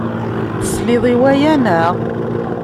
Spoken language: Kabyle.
Tesliḍ i waya, naɣ?